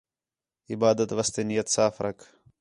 عبادت واسطے نیت صاف رکھ